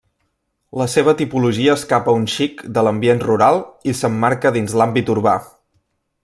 La seva tipologia escapa un xic de l'ambient rural i s'emmarca dins l'àmbit urbà.